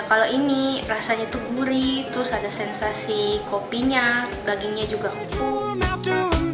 kalau ini rasanya tuh gurih terus ada sensasi kopinya dagingnya juga empuk